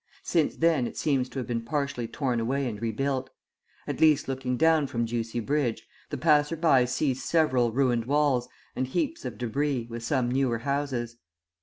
Since then, it seems to have been partially torn away and rebuilt; at least looking down from Ducie Bridge, the passer by sees several ruined walls and heaps of debris with some newer houses.